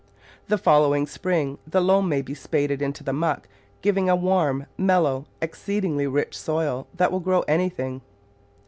The following spring the loam may be spaded into the muck, giving a warm, mellow, exceedingly rich soil that will grow anything.